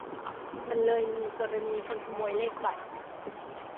มันเลยมีกรณีคนขโมยเลขบัตร